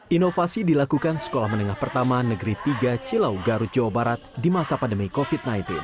inovasi dilakukan sekolah menengah pertama negeri tiga cilau garut jawa barat di masa pandemi covid sembilan belas